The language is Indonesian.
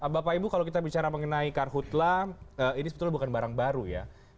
bapak ibu kalau kita bicara mengenai karhutla ini sebetulnya bukan barang baru ya